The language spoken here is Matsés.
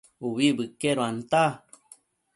Ubi bëqueduanta